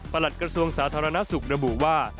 หลัดกระทรวงสาธารณสุขระบุว่า